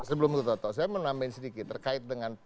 sebelum ke mas soto saya mau nambahin sedikit terkait dengan